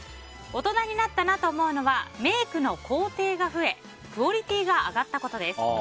大人になったなと思うのはメイクの工程が増えクオリティーが上がったことです。